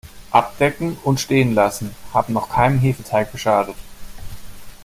Abdecken und stehen lassen haben noch keinem Hefeteig geschadet.